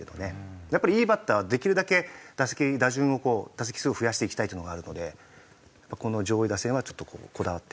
やっぱりいいバッターはできるだけ打席打順をこう打席数を増やしていきたいっていうのがあるのでこの上位打線はちょっとこだわってみましたね。